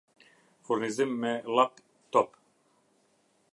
Furnizim me llap top